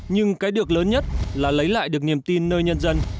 nhưng cái được lớn nhất là lấy lại được niềm tin nơi nhân dân